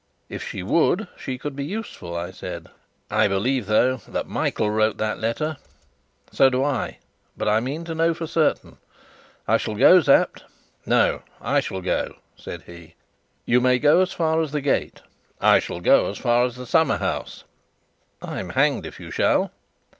"If she would, she could be useful," I said. "I believe, though, that Michael wrote that letter." "So do I, but I mean to know for certain. I shall go, Sapt." "No, I shall go," said he. "You may go as far as the gate." "I shall go to the summer house." "I'm hanged if you shall!"